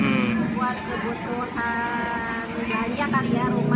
buat kebutuhan raja kali ya rumah ya